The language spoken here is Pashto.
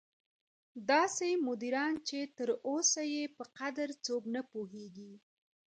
داسې مدیران چې تر اوسه یې په قدر څوک نه پوهېږي.